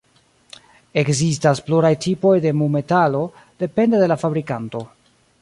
Ekzistas pluraj tipoj de mu-metalo, depende de la fabrikanto.